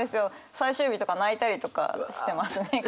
最終日とか泣いたりとかしてますね結構。